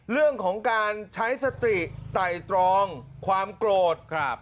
เรื่องของการใช้สติไต่ตรองความโกรธ